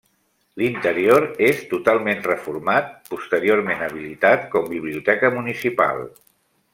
L'interior és totalment reformat, posteriorment habilitat com biblioteca municipal.